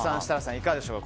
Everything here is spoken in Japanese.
いかがでしょうか。